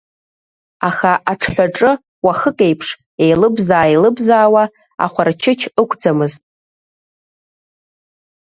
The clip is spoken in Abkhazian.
Аха аҽҳәаҿы уахык еиԥш, еилыбзаа-еилыбзаауа ахәарчыч ықә-ӡамызт.